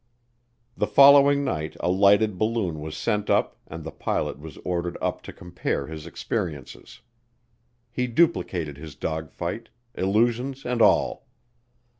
The following night a lighted balloon was sent up and the pilot was ordered up to compare his experiences. He duplicated his dogfight illusions and all.